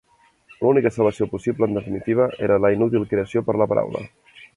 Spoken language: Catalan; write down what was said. L'única salvació possible, en definitiva, era la «inútil creació per la paraula».